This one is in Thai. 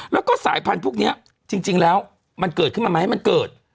แล้วก็สายพันธุ์พวกนี้จริงแล้วมันเกิดขึ้นมาไหมมันเกิด